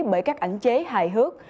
bởi các ảnh chế hài hước